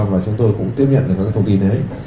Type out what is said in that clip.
và chúng tôi cũng tiếp nhận được các thông tin đấy